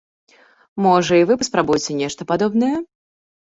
Можа, і вы паспрабуеце нешта падобнае?